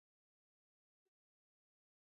دا د ناشکرۍ، فخر او تکبير کولو بده پايله ده!